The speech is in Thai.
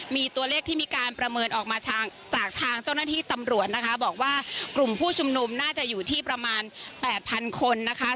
มีตัวเลขที่มีการประเมินออกมาจากทางเจ้าหน้าที่ตำรวจนะคะบอกว่ากลุ่มผู้ชุมนุมน่าจะอยู่ที่ประมาณแปดพันคนนะคะ